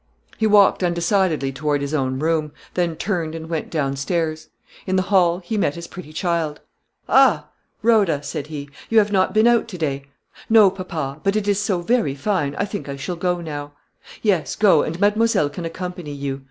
He walked undecidedly toward his own room, then turned and went down stairs. In the hall he met his pretty child. "Ha! Rhoda," said he, "you have not been out today?" "No, papa; but it is so very fine, I think I shall go now." "Yes; go, and mademoiselle can accompany you.